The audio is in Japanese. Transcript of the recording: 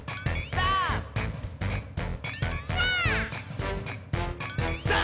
さあ！